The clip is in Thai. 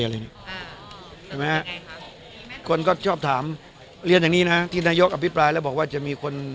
อะไรนี้ครับไหมคนก็ชอบถามเรียนจากนี้นะที่นายกอภิปรายแล้วบอกว่าจะมีคน